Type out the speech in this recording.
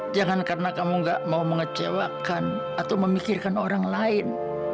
jangan karena kamu gak mau mengecewakan atau memikirkan orang lain